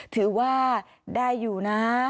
ถือว่าได้อยู่นะ